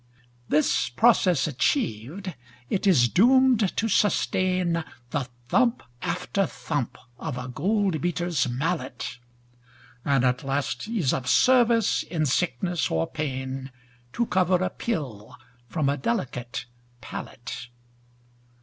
This process achiev'd, it is doom'd to sustain The thump after thump of a gold beater's mallet, And at last is of service in sickness or pain To cover a pill from a delicate palate.